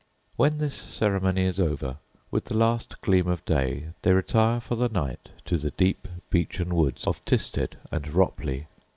When this ceremony is over, with the last gleam of day, they retire for the night to the deep beechen woods of Tisted and Ropley.